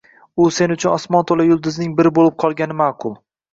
U sen uchun osmon to‘la yulduzning biri bo‘lib qolgani ma’qui.